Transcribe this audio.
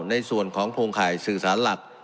ในส่วนของโครงข่ายสื่อสารหลัก